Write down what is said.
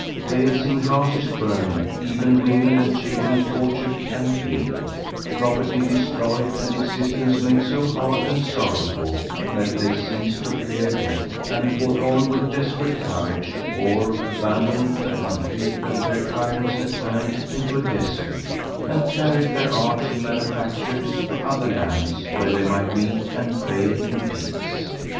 They had seen houses burned, even women and children tortured and killed, property destroyed, and existence made so hard and sorrowful that they ceased to fear death, and fought on with desperate courage, or abandoned the country that their tyrants had turned into a desert, and carried their arts and manufactures to other lands where they might meet and pray in peace."